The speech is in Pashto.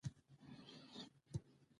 افغانستان کې د سیلابونه په اړه زده کړه کېږي.